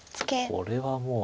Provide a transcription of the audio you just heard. これはもう。